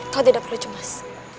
kau tidak perlu cemas